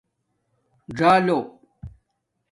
ژَالو